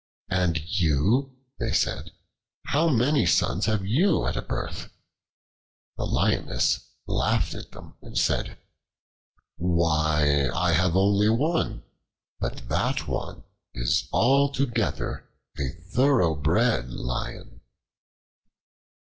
"And you," they said, "how many sons have you at a birth?" The Lioness laughed at them, and said: "Why! I have only one; but that one is altogether a thoroughbred Lion."